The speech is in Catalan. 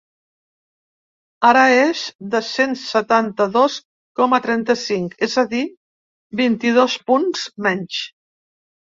Ara és de cent setanta-dos coma trenta-cinc, és a dir, vint-i-dos punts menys.